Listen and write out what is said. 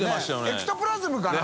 エクトプラズムかな？